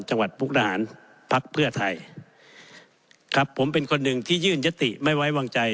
มุกดาหารพักเพื่อไทยครับผมเป็นคนหนึ่งที่ยื่นยติไม่ไว้วางใจ